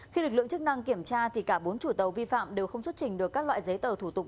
khi lực lượng chức năng kiểm tra thì cả bốn chủ tàu vi phạm đều không xuất trình được các loại giấy tờ thủ tục